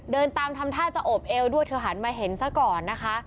เดินตามทำท่าจะโอบเอวด้วยเธอหันมาเห็นซะก่อนนะคะ